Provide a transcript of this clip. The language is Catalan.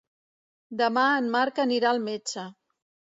Demà en Marc anirà al metge.